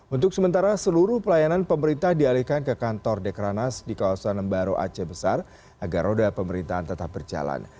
untuk sementara seluruh pelayanan pemerintah dialihkan ke kantor dekranas di kawasan lembaro aceh besar agar roda pemerintahan tetap berjalan